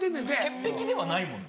潔癖ではないもんね。